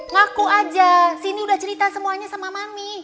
ngaku aja sini udah cerita semuanya sama mami